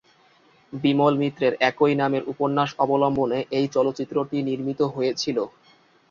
বিমল মিত্রের একই নামের উপন্যাস অবলম্বনে এই চলচ্চিত্রটি নির্মিত হয়েছিল।